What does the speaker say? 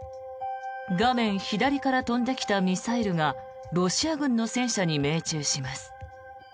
画面左から飛んできたミサイルがロシア軍の戦車に命中します。